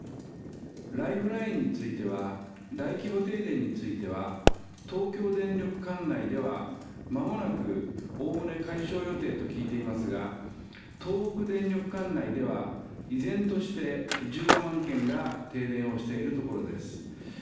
ライフラインについては、大規模停電については、東京電力管内ではまもなく、おおむね解消予定と聞いていますが、東北電力管内では、依然として１５万軒が停電をしているところです。